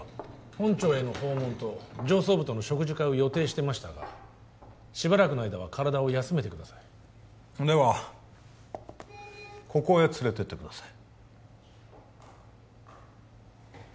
本庁への訪問と上層部との食事会を予定してましたがしばらくの間は体を休めてくださいではここへ連れてってください